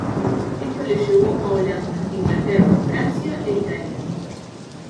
Esto le llevó a Holanda, Inglaterra, Francia e Italia.